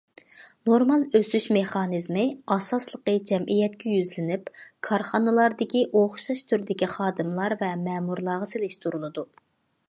نورمال ئۆسۈش مېخانىزمى ئاساسلىقى جەمئىيەتكە يۈزلىنىپ، كارخانىلاردىكى ئوخشاش تۈردىكى خادىملار ۋە مەمۇرلارغا سېلىشتۇرۇلىدۇ.